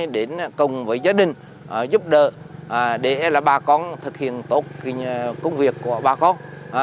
đến cùng với gia đình giúp đỡ để bà con thực hiện tốt công việc của bà con